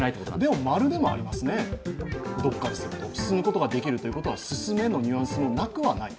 でも、○でもありますね、進むことができるということは進めのニュアンスもなくはない。